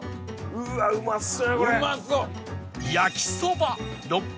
うわっうまそう！